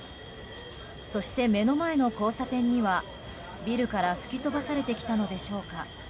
そして、目の前の交差点にはビルから吹き飛ばされてきたのでしょうか。